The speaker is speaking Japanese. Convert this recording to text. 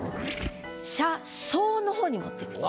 「車窓」の方に持っていくんです。